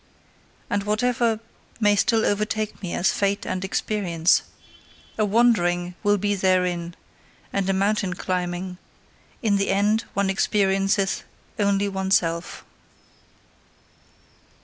And whatever may still overtake me as fate and experience a wandering will be therein, and a mountain climbing: in the end one experienceth only oneself.